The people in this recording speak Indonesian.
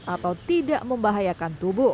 atau tidak membahayakan tubuh